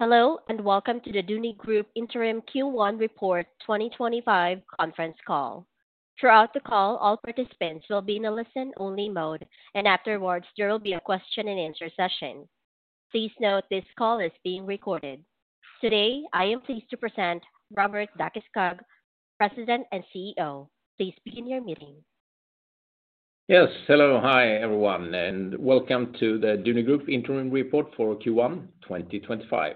Hello, and welcome to the Duni Group Interim Q1 Report 2025 conference call. Throughout the call, all participants will be in a listen-only mode, and afterwards, there will be a question-and-answer session. Please note this call is being recorded. Today, I am pleased to present Robert Dackeskog, President and CEO. Please begin your meeting. Yes, hello, hi everyone, and welcome to the Duni Group Interim Report for Q1 2025.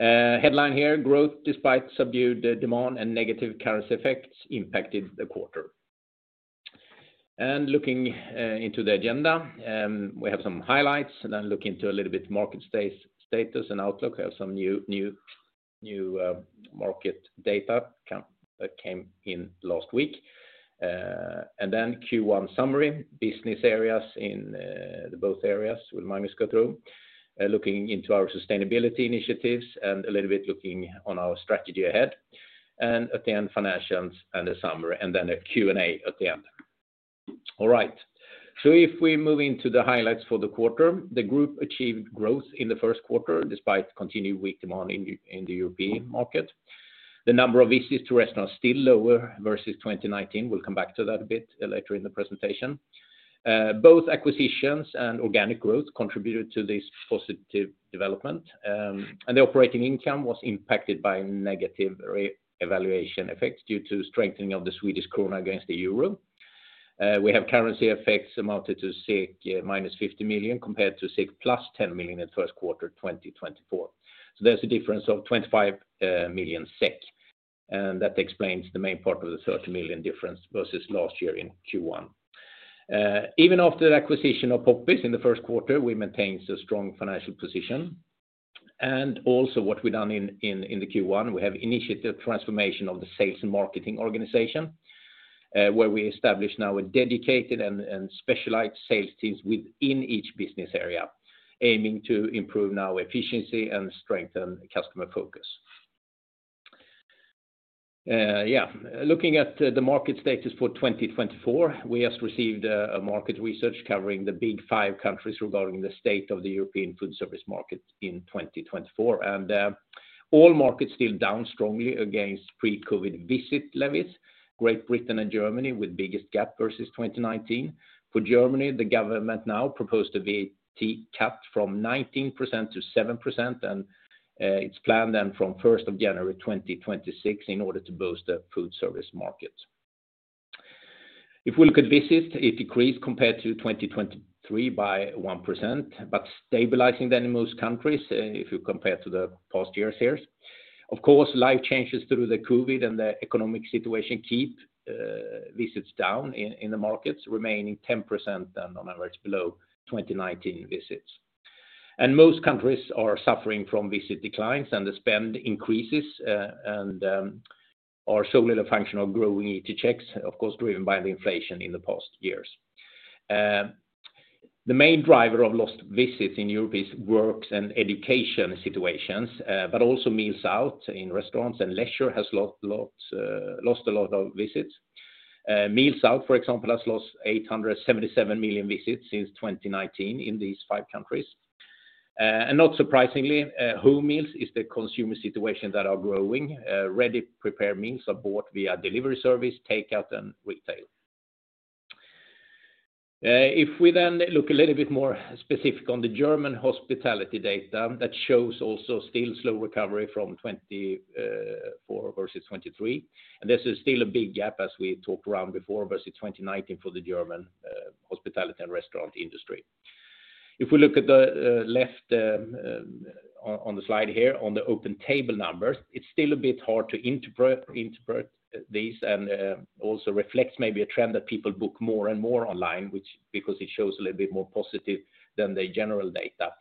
Headline here: Growth despite subdued demand and negative currency effects impacted the quarter. Looking into the agenda, we have some highlights, and then look into a little bit market status and outlook. We have some new market data that came in last week. Q1 summary, business areas in both areas, will Magnus go through, looking into our sustainability initiatives and a little bit looking on our strategy ahead. At the end, financials and the summary, and then a Q&A at the end. All right, if we move into the highlights for the quarter, the group achieved growth in the first quarter despite continued weak demand in the European market. The number of visits to restaurants is still lower versus 2019. We'll come back to that a bit later in the presentation. Both acquisitions and organic growth contributed to this positive development, and the operating income was impacted by negative revaluation effects due to strengthening of the Swedish krona against the euro. We have currency effects amounted to -50 million compared to +10 million in the first quarter 2024. There is a difference of 25 million SEK, and that explains the main part of the 30 million difference versus last year in Q1. Even after the acquisition of Poppies in the first quarter, we maintained a strong financial position. Also, what we've done in Q1, we have initiated a transformation of the sales and marketing organization, where we established now a dedicated and specialized sales team within each business area, aiming to improve our efficiency and strengthen customer focus. Yeah, looking at the market status for 2024, we just received a market research covering the Big 5 countries regarding the state of the European food service market in 2024. All markets are still down strongly against pre-COVID visit levels. Great Britain and Germany with the biggest gap versus 2019. For Germany, the government now proposed a VAT cut from 19% to 7%, and it is planned then from 1st of January 2026 in order to boost the food service market. If we look at visits, it decreased compared to 2023 by 1%, but stabilizing then in most countries if you compare to the past years. Of course, life changes through the COVID and the economic situation keep visits down in the markets, remaining 10% on average below 2019 visits. Most countries are suffering from visit declines, and the spend increases and are solely a function of growing ET checks, of course, driven by the inflation in the past years. The main driver of lost visits in Europe is work and education situations, but also meals out in restaurants and leisure has lost a lot of visits. Meals out, for example, has lost 877 million visits since 2019 in these five countries. Not surprisingly, home meals is the consumer situation that is growing. Ready prepared meals are bought via delivery service, takeout, and retail. If we then look a little bit more specific on the German hospitality data, that shows also still slow recovery from 2024 versus 2023. This is still a big gap as we talked around before versus 2019 for the German hospitality and restaurant industry. If we look at the left on the slide here on the OpenTable numbers, it's still a bit hard to interpret these and also reflects maybe a trend that people book more and more online, which because it shows a little bit more positive than the general data.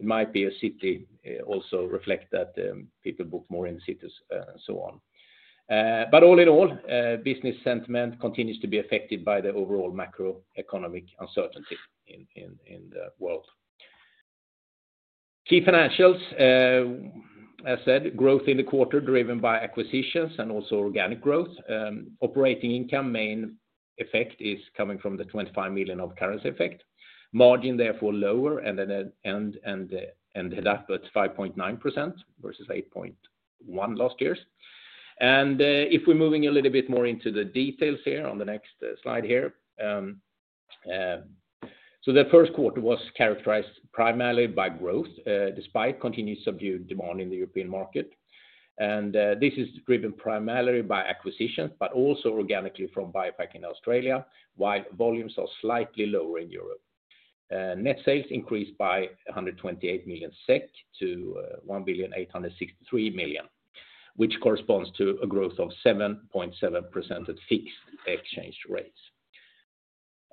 It might be a city also reflects that people book more in cities and so on. All in all, business sentiment continues to be affected by the overall macroeconomic uncertainty in the world. Key financials, as I said, growth in the quarter driven by acquisitions and also organic growth. Operating income main effect is coming from the 25 million of currency effect. Margin therefore lower and the DAC but 5.9% versus 8.1% last year. If we're moving a little bit more into the details here on the next slide here. The first quarter was characterized primarily by growth despite continued subdued demand in the European market. This is driven primarily by acquisitions, but also organically from BioPak in Australia, while volumes are slightly lower in Europe. Net sales increased by 128 million-1,863 million SEK, which corresponds to a growth of 7.7% at fixed exchange rates.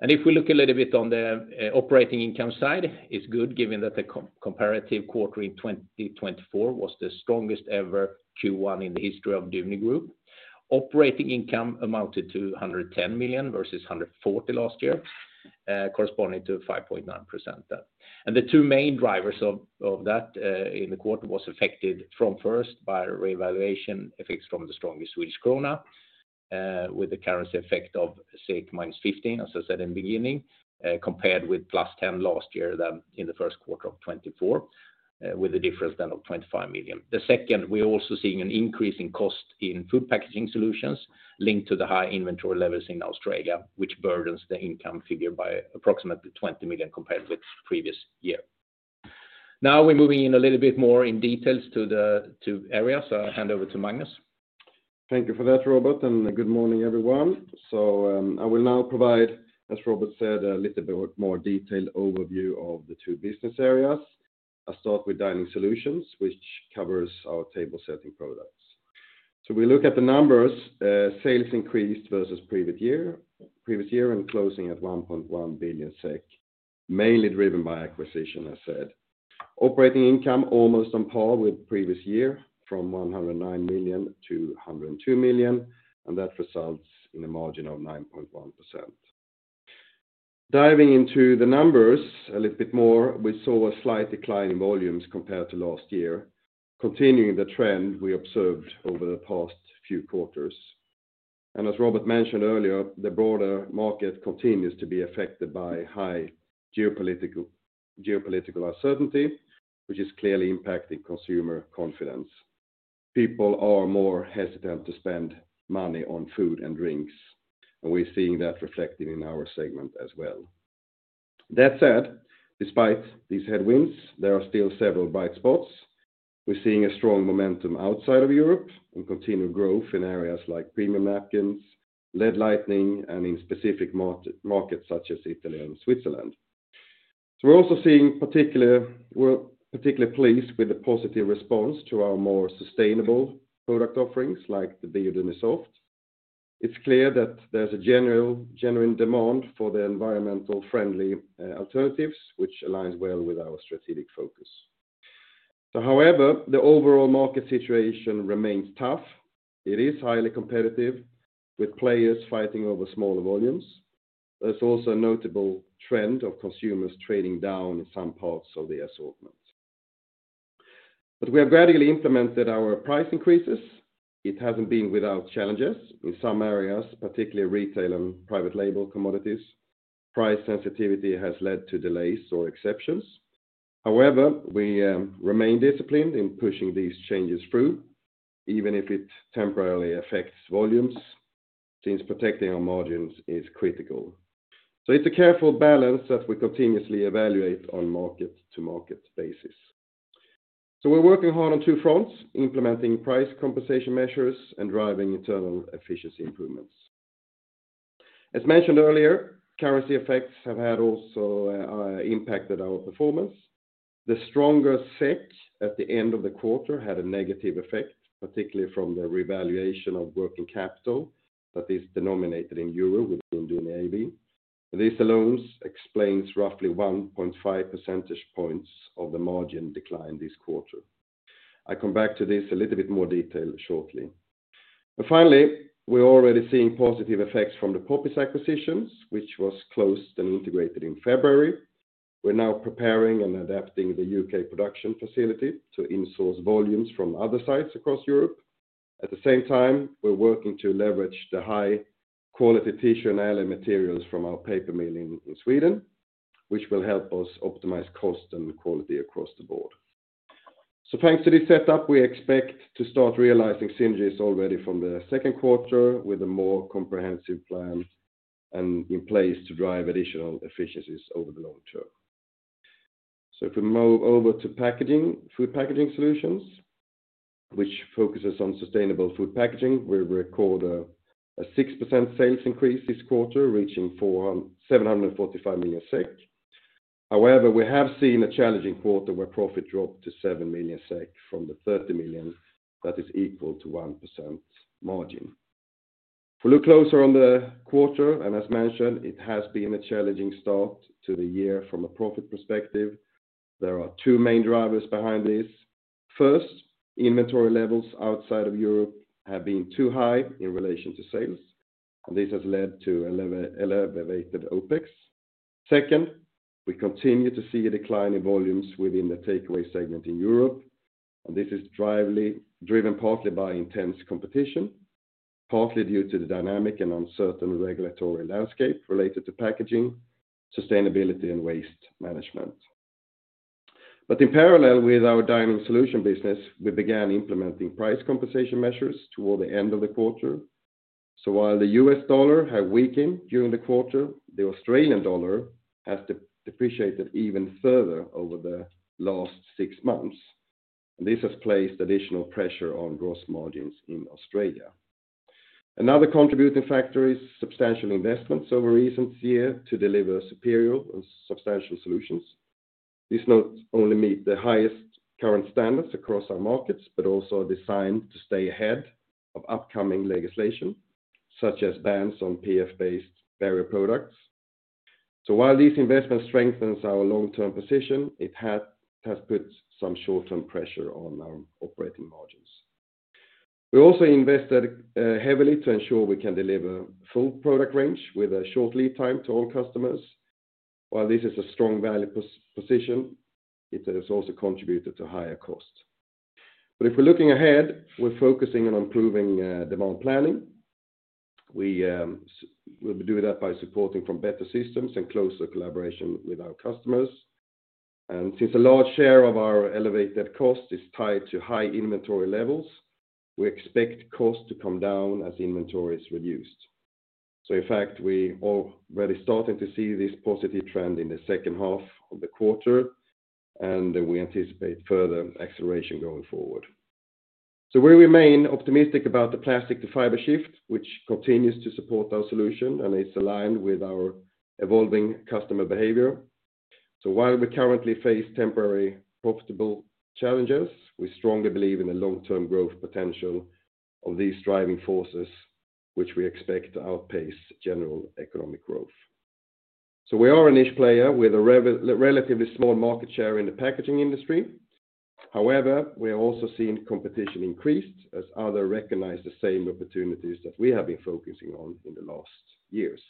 If we look a little bit on the operating income side, it is good given that the comparative quarter in 2024 was the strongest ever Q1 in the history of Duni Group. Operating income amounted to 110 million versus 140 million last year, corresponding to 5.9%. The two main drivers of that in the quarter were affected first by revaluation effects from the stronger Swedish krona with the currency effect of -15 million, as I said in the beginning, compared with +10 million last year in the first quarter of 2024, with a difference then of 25 million. The second, we're also seeing an increase in cost in Food Packaging Solutions linked to the high inventory levels in Australia, which burdens the income figure by approximately 20 million compared with previous year. Now we're moving in a little bit more in details to the two areas. I'll hand over to Magnus. Thank you for that, Robert, and good morning everyone. I will now provide, as Robert said, a little bit more detailed overview of the two business areas. I'll start with Dining Solutions, which covers our table-setting products. If we look at the numbers, sales increased versus previous year and closing at 1.1 billion SEK, mainly driven by acquisition, as I said. Operating income almost on par with previous year from 109 million to 102 million, and that results in a margin of 9.1%. Diving into the numbers a little bit more, we saw a slight decline in volumes compared to last year, continuing the trend we observed over the past few quarters. As Robert mentioned earlier, the broader market continues to be affected by high geopolitical uncertainty, which is clearly impacting consumer confidence. People are more hesitant to spend money on food and drinks, and we're seeing that reflected in our segment as well. That said, despite these headwinds, there are still several bright spots. We're seeing a strong momentum outside of Europe and continued growth in areas like premium napkins, LED lighting, and in specific markets such as Italy and Switzerland. We are also particularly pleased with the positive response to our more sustainable product offerings like the Bio Dunisoft. It's clear that there's a genuine demand for the environmental-friendly alternatives, which aligns well with our strategic focus. However, the overall market situation remains tough. It is highly competitive with players fighting over smaller volumes. There's also a notable trend of consumers trading down in some parts of the assortment. We have gradually implemented our price increases. It hasn't been without challenges. In some areas, particularly retail and private label commodities, price sensitivity has led to delays or exceptions. However, we remain disciplined in pushing these changes through, even if it temporarily affects volumes, since protecting our margins is critical. It is a careful balance that we continuously evaluate on a market-to-market basis. We are working hard on two fronts, implementing price compensation measures and driving internal efficiency improvements. As mentioned earlier, currency effects have also impacted our performance. The stronger SEK at the end of the quarter had a negative effect, particularly from the revaluation of working capital that is denominated in euro within Duni AB. These alone explain roughly 1.5 percentage points of the margin decline this quarter. I will come back to this in a little bit more detail shortly. Finally, we are already seeing positive effects from the Poppies acquisition, which was closed and integrated in February. We're now preparing and adapting the U.K. production facility to insource volumes from other sites across Europe. At the same time, we're working to leverage the high-quality tissue and airlaid materials from our paper mill in Sweden, which will help us optimize cost and quality across the board. Thanks to this setup, we expect to start realizing synergies already from the second quarter with a more comprehensive plan in place to drive additional efficiencies over the long term. If we move over to Food Packaging Solutions, which focuses on sustainable food packaging, we record a 6% sales increase this quarter, reaching 745 million SEK. However, we have seen a challenging quarter where profit dropped to 7 million SEK from the 30 million. That is equal to a 1% margin. If we look closer on the quarter, and as mentioned, it has been a challenging start to the year from a profit perspective. There are two main drivers behind this. First, inventory levels outside of Europe have been too high in relation to sales, and this has led to elevated OpEx. Second, we continue to see a decline in volumes within the takeaway segment in Europe, and this is driven partly by intense competition, partly due to the dynamic and uncertain regulatory landscape related to packaging, sustainability, and waste management. In parallel with our dining solution business, we began implementing price compensation measures toward the end of the quarter. While the U.S. dollar had weakened during the quarter, the Australian dollar has depreciated even further over the last six months. This has placed additional pressure on gross margins in Australia. Another contributing factor is substantial investments over recent years to deliver superior and substantial solutions. These not only meet the highest current standards across our markets, but also are designed to stay ahead of upcoming legislation, such as bans on PFAS-based barrier products. While these investments strengthen our long-term position, it has put some short-term pressure on our operating margins. We also invested heavily to ensure we can deliver full product range with a short lead time to all customers. While this is a strong value position, it has also contributed to higher costs. If we're looking ahead, we're focusing on improving demand planning. We will do that by supporting from better systems and closer collaboration with our customers. Since a large share of our elevated cost is tied to high inventory levels, we expect costs to come down as inventory is reduced. In fact, we are already starting to see this positive trend in the second half of the quarter, and we anticipate further acceleration going forward. We remain optimistic about the plastic-to-fiber shift, which continues to support our solution and is aligned with our evolving customer behavior. While we currently face temporary profitable challenges, we strongly believe in the long-term growth potential of these driving forces, which we expect to outpace general economic growth. We are a niche player with a relatively small market share in the packaging industry. However, we are also seeing competition increase as others recognize the same opportunities that we have been focusing on in the last years.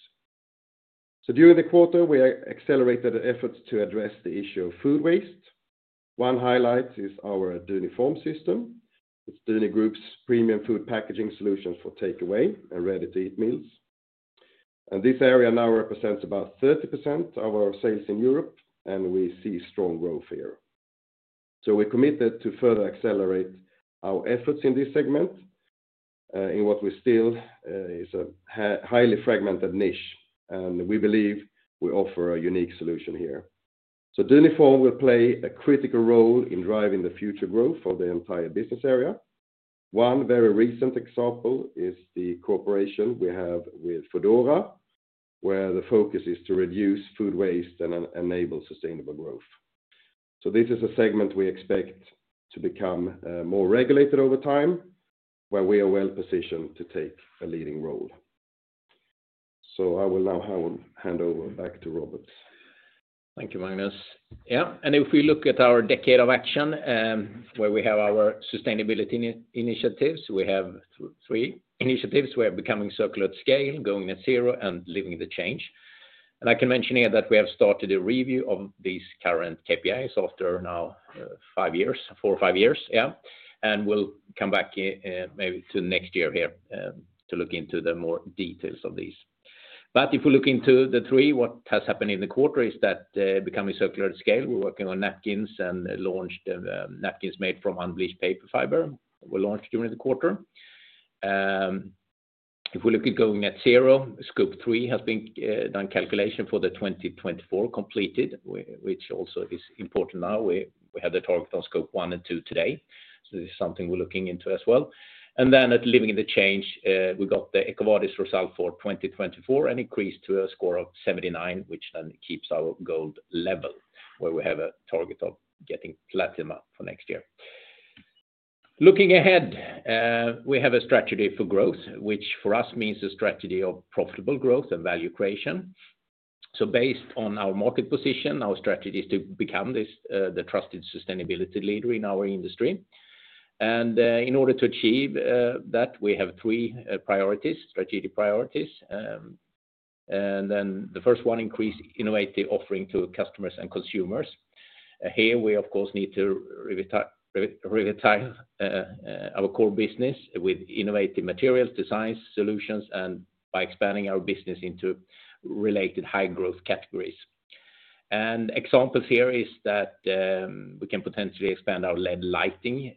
During the quarter, we accelerated efforts to address the issue of food waste. One highlight is our Duniform system. It is Duni Group's Premium Food Packaging Solutions for takeaway and ready-to-eat meals. This area now represents about 30% of our sales in Europe, and we see strong growth here. We are committed to further accelerate our efforts in this segment in what still is a highly fragmented niche, and we believe we offer a unique solution here. Duniform will play a critical role in driving the future growth of the entire business area. One very recent example is the cooperation we have with foodora, where the focus is to reduce food waste and enable sustainable growth. This is a segment we expect to become more regulated over time, where we are well positioned to take a leading role. I will now hand over back to Robert. Thank you, Magnus. Yeah, and if we look at our decade of action, where we have our sustainability initiatives, we have three initiatives. We are becoming circular at scale, going net zero, and living the change. I can mention here that we have started a review of these current KPIs after now four or five years, yeah. We'll come back maybe to next year here to look into the more details of these. If we look into the three, what has happened in the quarter is that becoming circular at scale, we're working on napkins and launched napkins made from unbleached paper fiber. We launched during the quarter. If we look at going net zero, scope three has been done calculation for the 2024 completed, which also is important now. We have the target on scope one and two today. This is something we're looking into as well. At Living the Change, we got the EcoVadis result for 2024 and increased to a score of 79, which then keeps our gold level, where we have a target of getting platinum for next year. Looking ahead, we have a strategy for growth, which for us means a strategy of profitable growth and value creation. Based on our market position, our strategy is to become the trusted sustainability leader in our industry. In order to achieve that, we have three strategic priorities. The first one is to increase innovative offering to customers and consumers. Here, we of course need to revitalize our core business with innovative materials, designs, solutions, and by expanding our business into related high-growth categories. Examples here are that we can potentially expand our LED lighting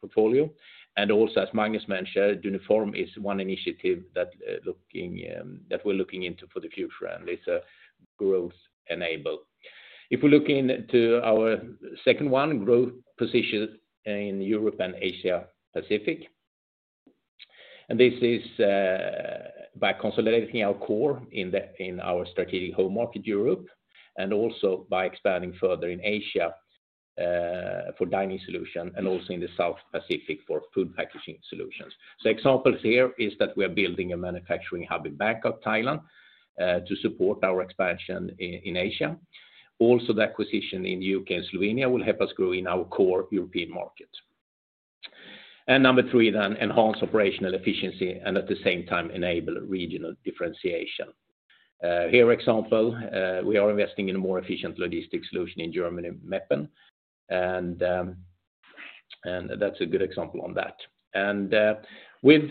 portfolio. Also, as Magnus mentioned, Duniform is one initiative that we're looking into for the future, and it's a growth enabler. If we look into our second one, growth position in Europe and Asia-Pacific. This is by consolidating our core in our strategic home market, Europe, and also by expanding further in Asia for Dining Solutions and also in the South Pacific for Food Packaging Solutions. Examples here are that we are building a manufacturing hub in Bangkok, Thailand, to support our expansion in Asia. Also, the acquisition in the U.K. and Slovenia will help us grow in our core European markets. Number three then, enhance operational efficiency and at the same time enable regional differentiation. Here, for example, we are investing in a more efficient logistics solution in Germany, Meppen and that's a good example of that. With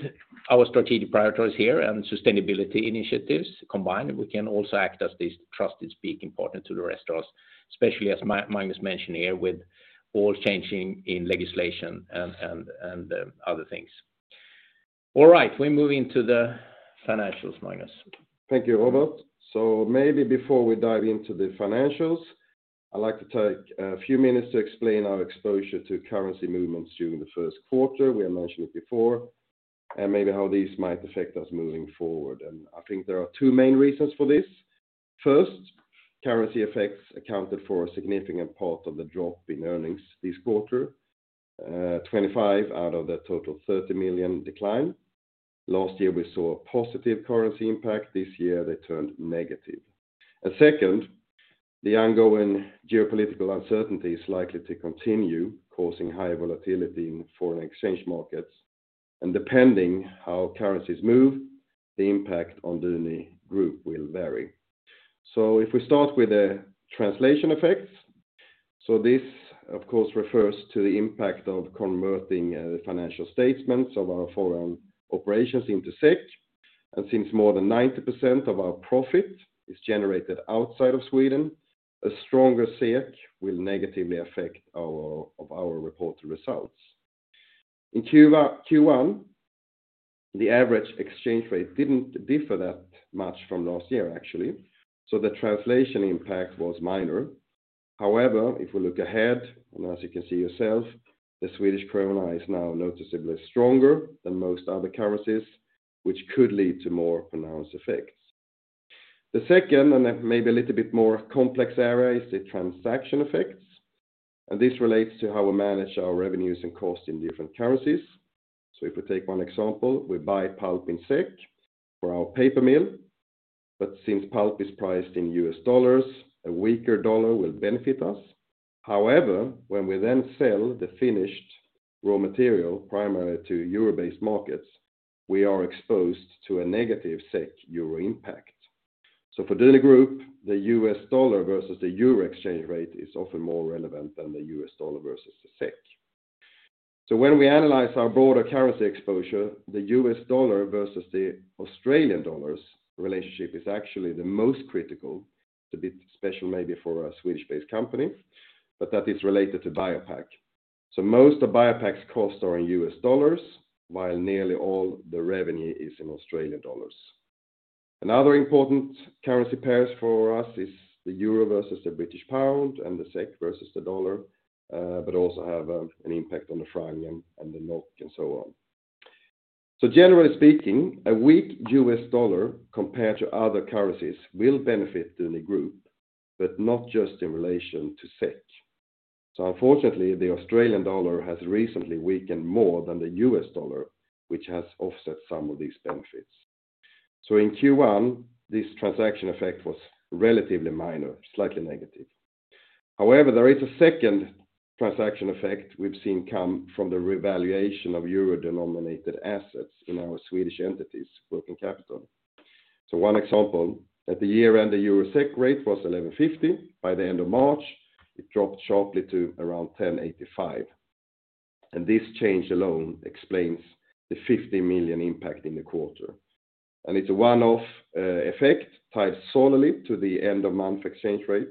our strategic priorities here and sustainability initiatives combined, we can also act as this trusted speaking partner to the rest of us, especially as Magnus mentioned here with all changing in legislation and other things. All right, we move into the financials, Magnus. Thank you, Robert. Maybe before we dive into the financials, I'd like to take a few minutes to explain our exposure to currency movements during the first quarter. We have mentioned it before, and maybe how these might affect us moving forward. I think there are two main reasons for this. First, currency effects accounted for a significant part of the drop in earnings this quarter, 25 million out of the total 30 million decline. Last year, we saw a positive currency impact. This year, they turned negative. Second, the ongoing geopolitical uncertainty is likely to continue, causing high volatility in foreign exchange markets. Depending on how currencies move, the impact on Duni Group will vary. If we start with the translation effects, this of course refers to the impact of converting the financial statements of our foreign operations into SEK. Since more than 90% of our profit is generated outside of Sweden, a stronger SEK will negatively affect our reported results. In Q1, the average exchange rate did not differ that much from last year, actually. The translation impact was minor. However, if we look ahead, and as you can see yourself, the Swedish krona is now noticeably stronger than most other currencies, which could lead to more pronounced effects. The second, and maybe a little bit more complex area, is the transaction effects. This relates to how we manage our revenues and costs in different currencies. If we take one example, we buy pulp in SEK for our paper mill. Since pulp is priced in U.S. dollars, a weaker dollar will benefit us. However, when we then sell the finished raw material primarily to Euro-based markets, we are exposed to a negative SEK-Euro impact. For Duni Group, the U.S. dollar versus the euro exchange rate is often more relevant than the U.S. dollar versus the SEK. When we analyze our broader currency exposure, the U.S. dollar versus the Australian dollar relationship is actually the most critical. It's a bit special maybe for a Swedish-based company, but that is related to BioPak. Most of BioPak's costs are in U.S. dollars, while nearly all the revenue is in Australian dollars. Another important currency pair for us is the euro versus the British pound and the SEK versus the dollar, but these also have an impact on the franc and the NOK and so on. Generally speaking, a weak U.S. dollar compared to other currencies will benefit Duni Group, but not just in relation to SEK. Unfortunately, the Australian dollar has recently weakened more than the U.S. dollar, which has offset some of these benefits. In Q1, this transaction effect was relatively minor, slightly negative. However, there is a second transaction effect we have seen come from the revaluation of Euro-denominated assets in our Swedish entities, working capital. One example, at the year-end, the Euro-SEK rate was 11.50%. By the end of March, it dropped sharply to around 10.85%. This change alone explains the 50 million impact in the quarter. It is a one-off effect tied solely to the end-of-month exchange rate.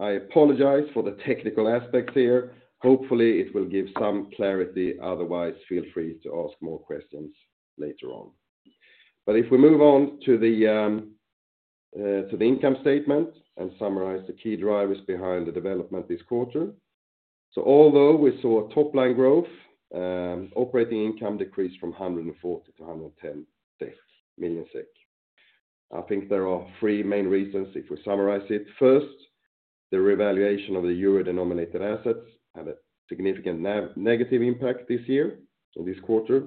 I apologize for the technical aspects here. Hopefully, it will give some clarity. Otherwise, feel free to ask more questions later on. If we move on to the income statement and summarize the key drivers behind the development this quarter. Although we saw top-line growth, operating income decreased from 140 million SEK to 110 million SEK. I think there are three main reasons if we summarize it. First, the revaluation of the euro-denominated assets had a significant negative impact this year, this quarter,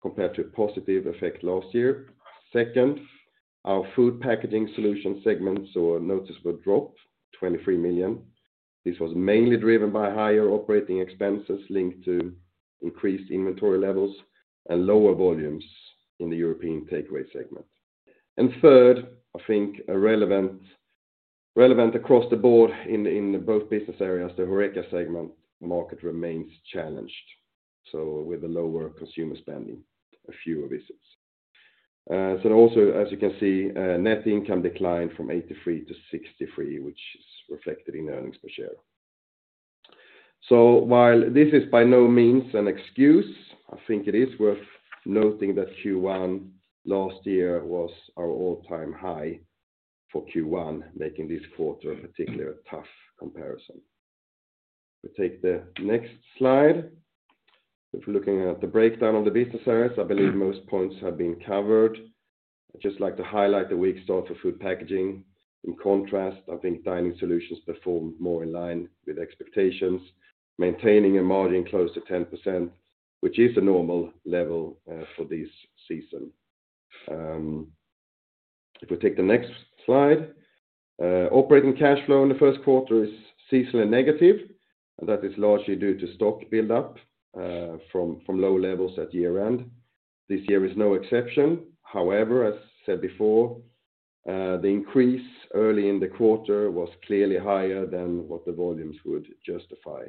compared to a positive effect last year. Second, our Food Packaging Solution segment saw a noticeable drop, 23 million. This was mainly driven by higher operating expenses linked to increased inventory levels and lower volumes in the European takeaway segment. Third, I think relevant across the board in both business areas, the HoReCa segment market remains challenged. With the lower consumer spending, a few of this. Also, as you can see, net income declined from 83 million to 63 million, which is reflected in earnings per share. While this is by no means an excuse, I think it is worth noting that Q1 last year was our all-time high for Q1, making this quarter a particularly tough comparison. If we take the next slide. If we're looking at the breakdown of the business areas, I believe most points have been covered. I'd just like to highlight the weak start for food packaging. In contrast, I think Dining Solutions performed more in line with expectations, maintaining a margin close to 10%, which is a normal level for this season. If we take the next slide, operating cash flow in the first quarter is seasonally negative, and that is largely due to stock buildup from low levels at year-end. This year is no exception. However, as said before, the increase early in the quarter was clearly higher than what the volumes would justify.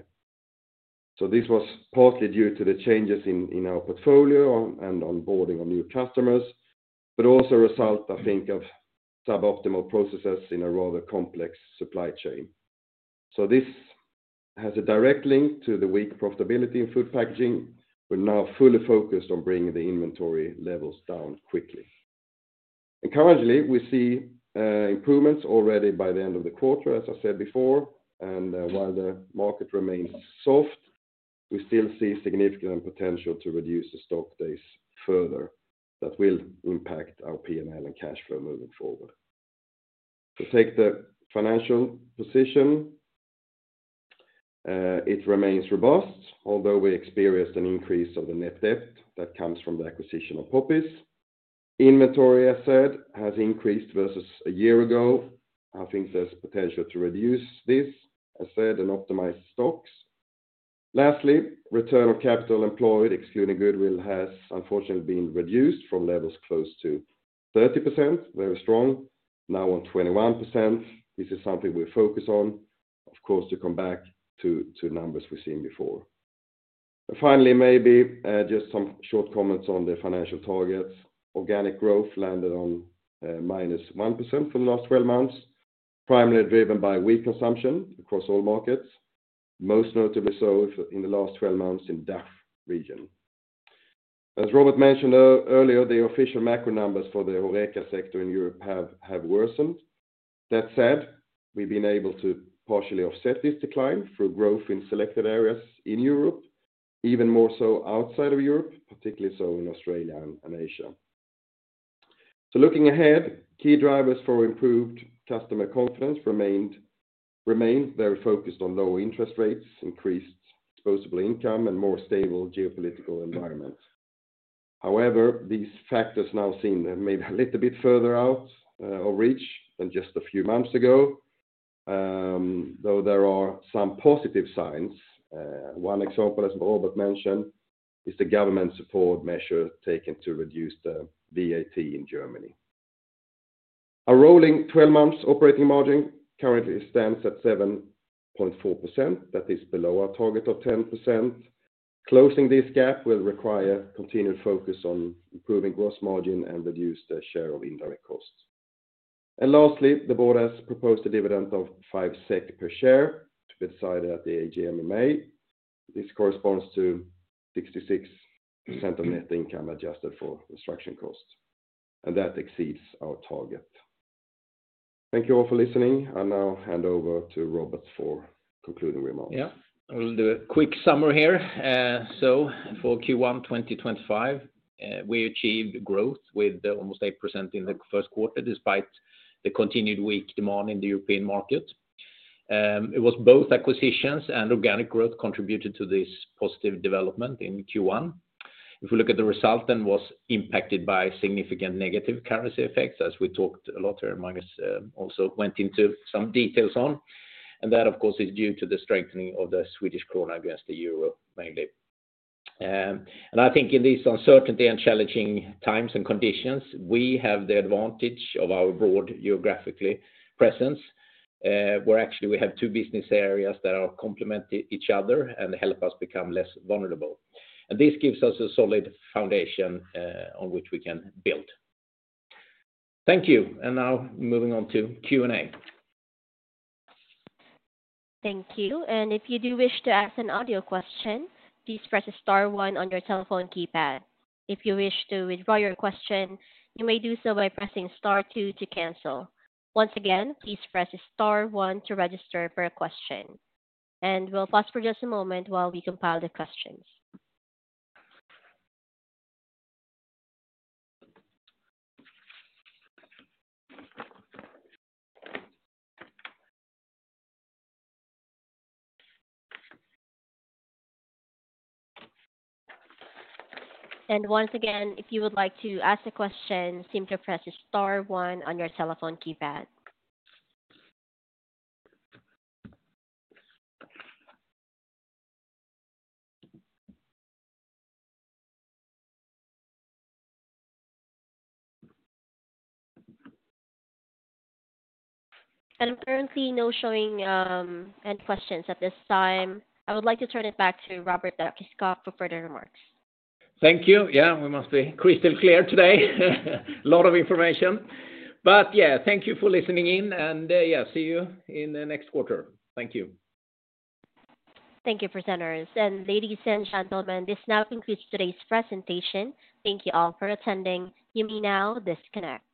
This was partly due to the changes in our portfolio and onboarding of new customers, but also a result, I think, of suboptimal processes in a rather complex supply chain. This has a direct link to the weak profitability in food packaging. We're now fully focused on bringing the inventory levels down quickly. Currently, we see improvements already by the end of the quarter, as I said before. While the market remains soft, we still see significant potential to reduce the stock days further. That will impact our P&L and cash flow moving forward. We take the financial position. It remains robust, although we experienced an increase of the net debt that comes from the acquisition of Poppies. Inventory asset has increased versus a year ago. I think there's potential to reduce this, as said, and optimize stocks. Lastly, return on capital employed, excluding goodwill, has unfortunately been reduced from levels close to 30%, very strong, now on 21%. This is something we focus on, of course, to come back to numbers we've seen before. Finally, maybe just some short comments on the financial targets. Organic growth landed on -1% for the last 12 months, primarily driven by weak consumption across all markets, most notably so in the last 12 months in the DACH region. As Robert mentioned earlier, the official macro numbers for the HoReCa sector in Europe have worsened. That said, we've been able to partially offset this decline through growth in selected areas in Europe, even more so outside of Europe, particularly so in Australia and Asia. Looking ahead, key drivers for improved customer confidence remained very focused on lower interest rates, increased disposable income, and a more stable geopolitical environment. However, these factors now seem to have made a little bit further out of reach than just a few months ago, though there are some positive signs. One example, as Robert mentioned, is the government support measure taken to reduce the VAT in Germany. Our rolling 12-month operating margin currently stands at 7.4%. That is below our target of 10%. Closing this gap will require continued focus on improving gross margin and reducing the share of indirect costs. Lastly, the Board has proposed a dividend of 5 SEK per share to be decided at the AGM in May. This corresponds to 66% of net income adjusted for construction costs, and that exceeds our target. Thank you all for listening. I'll now hand over to Robert for concluding remarks. Yeah, I'll do a quick summary here. For Q1 2025, we achieved growth with almost 8% in the first quarter despite the continued weak demand in the European market. It was both acquisitions and organic growth that contributed to this positive development in Q1. If we look at the result, it was impacted by significant negative currency effects, as we talked a lot here. Magnus also went into some details on that. That, of course, is due to the strengthening of the Swedish krona against the euro mainly. I think in this uncertainty and challenging times and conditions, we have the advantage of our broad geographically presence, where actually we have two business areas that complement each other and help us become less vulnerable. This gives us a solid foundation on which we can build. Thank you. Now moving on to Q&A. Thank you. If you do wish to ask an audio question, please press star one on your telephone keypad. If you wish to withdraw your question, you may do so by pressing star two to cancel. Once again, please press star one to register for a question. We will pause for just a moment while we compile the questions. Once again, if you would like to ask a question, simply press star one on your telephone keypad. Currently, no questions showing at this time. I would like to turn it back to Robert Dackeskog for further remarks. Thank you. Yeah, we must be crystal clear today. A lot of information. Yeah, thank you for listening in. Yeah, see you in the next quarter. Thank you. Thank you, presenters. Ladies and gentlemen, this now concludes today's presentation. Thank you all for attending. You may now disconnect.